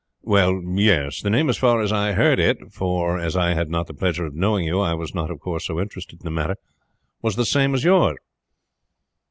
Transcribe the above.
"Well, yes. The name, as far as I heard it, for as I had not the pleasure of knowing you I was not of course so interested in the matter, was the same as yours."